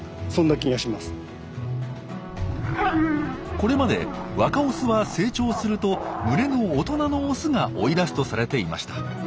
これまで若オスは成長すると群れの大人のオスが追い出すとされていました。